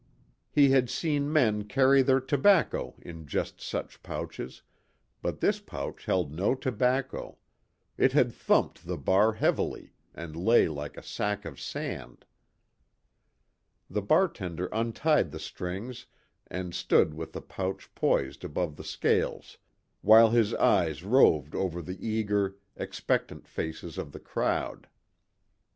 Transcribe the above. He had seen men carry their tobacco in just such pouches, but this pouch held no tobacco, it had thumped the bar heavily and lay like a sack of sand. The bartender untied the strings and stood with the pouch poised above the scales while his eyes roved over the eager, expectant faces of the crowd.